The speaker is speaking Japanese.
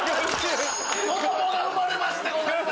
子供が生まれましてございます。